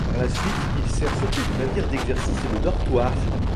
Par la suite, il sert surtout de navire d'exercice et de dortoir.